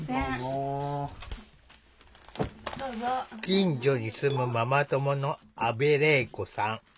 近所に住むママ友の阿部礼子さん。